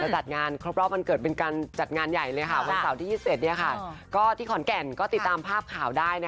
จัดงานครบรอบวันเกิดเป็นการจัดงานใหญ่เลยค่ะวันเสาร์ที่๒๑ก็ที่ขอนแก่นก็ติดตามภาพข่าวได้